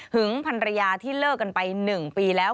ึงพันรยาที่เลิกกันไป๑ปีแล้ว